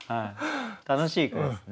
楽しい句ですね。